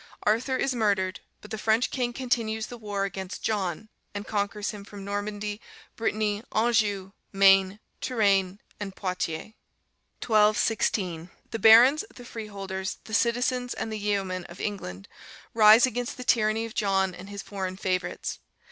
Arthur is murdered, but the French king continues the war against John, and conquers from him Normandy, Brittany, Anjou, Maine, Touraine, and Poictiers. 1216. The barons, the freeholders, the citizens, and the yeomen of England rise against the tyranny of John and his foreign favourites.